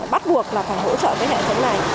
bắt buộc là phải hỗ trợ cái hệ thống này